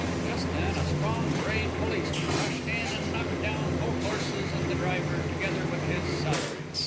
"Just then a strong, brave policeman rushed in and knocked down both horses and the driver, together with his salary.